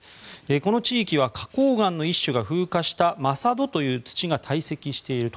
この地域は花こう岩の一種が風化したまさ土という土がたい積していると。